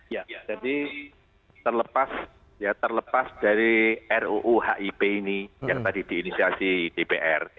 ya jadi terlepas dari ruu hip ini yang tadi diinisiasi dpr